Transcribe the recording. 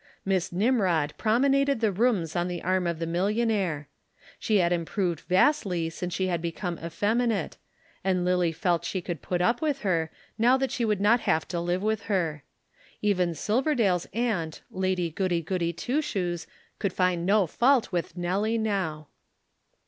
Miss Nimrod promenaded the rooms on the arm of the millionaire. She had improved vastly since she had become effeminate, and Lillie felt she could put up with her, now she would not have to live with her. Even Silverdale's aunt, Lady Goody Goody Twoshoes could find no fault with Nelly now.